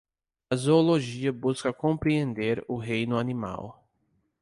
A zoologia busca compreender o reino animal